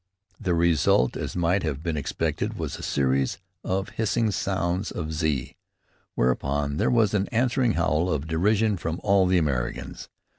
The result, as might have been expected, was a series of hissing sounds of z, whereupon there was an answering howl of derision from all the Americans.